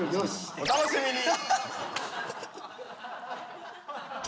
お楽しみに！